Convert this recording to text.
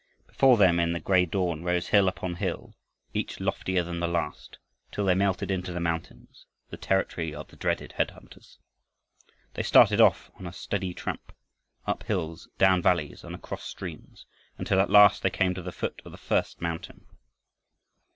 Before them in the gray dawn rose hill upon hill, each loftier than the last, till they melted into the mountains, the territory of the dreaded head hunters. They started off on a steady tramp, up hills, down valleys, and across streams, until at last they came to the foot of the first mountain.